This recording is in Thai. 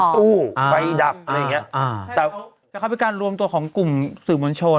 ขนตู้ไฟดับอะไรอย่างเงี้ยอ่าอ่าแต่เขาเข้าไปการรวมตัวของกลุ่มสื่อมวลชน